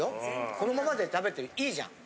このままで食べていいじゃん。